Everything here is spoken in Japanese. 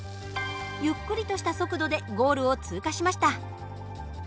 ゆっくりとした速度でゴールを通過しました。